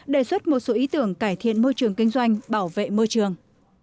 đề xuất một số ý tưởng cải thiện môi trường kinh doanh bảo vệ môi trường